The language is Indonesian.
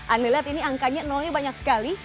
anda lihat ini angkanya nolnya banyak sekali